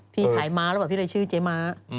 พี่ขายม้าหรือเปล่าพี่เลยชื่อเจ๊ม้า